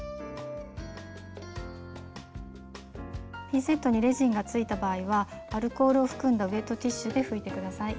ピンセットにレジンがついた場合はアルコールを含んだウェットティッシュで拭いて下さい。